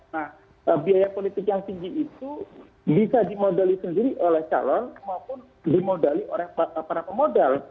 nah biaya politik yang tinggi itu bisa dimodali sendiri oleh calon maupun dimodali oleh para pemodal